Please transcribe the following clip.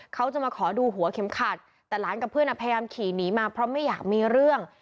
เขาจะมาขอดูหัวเข็มขัดแต่หลานกับเพื่อนพยายามขี่หนีมาเพราะไม่อยากมีเรื่อง